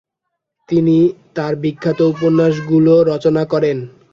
তিনি তার বিখ্যাত উপন্যাসগুলো রচনা করেন।